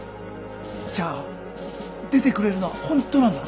じゃあ出てくれるのは本当なんだな？